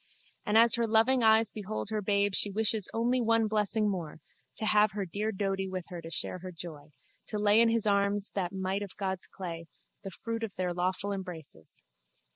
And as her loving eyes behold her babe she wishes only one blessing more, to have her dear Doady there with her to share her joy, to lay in his arms that mite of God's clay, the fruit of their lawful embraces.